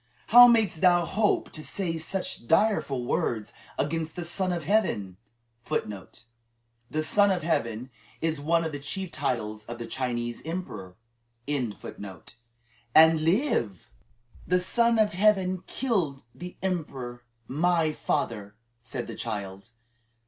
How mayst thou hope to say such direful words against the Son of Heaven(1) and live?" (1) "The Son of Heaven" is one of the chief titles of the Chinese emperor. "The Son of Heaven killed the emperor, my father," said the child.